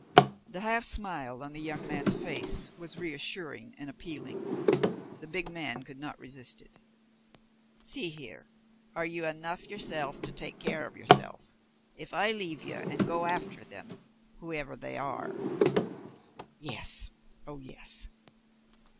That half smile on the young man's face was reassuring and appealing. The big man could not resist it. "See here, are you enough yourself to take care of yourself, if I leave you and go after them whoever they are?" "Yes, oh, yes."